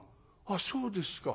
あっそうですか」。